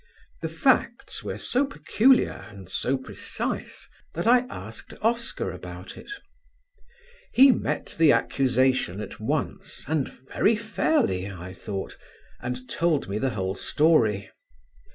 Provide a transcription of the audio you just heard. The facts were so peculiar and so precise that I asked Oscar about it. He met the accusation at once and very fairly, I thought, and told me the whole story.